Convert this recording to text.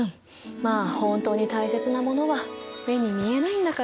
まあ本当に大切なものは目に見えないんだから！